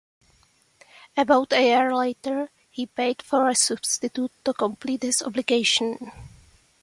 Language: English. About a year later, he paid for a substitute to complete his obligation.